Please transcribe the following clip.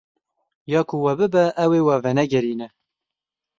Ya ku we bibe ew ê we venegerîne.